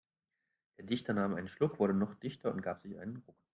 Der Dichter nahm einen Schluck, wurde noch dichter und gab sich einen Ruck.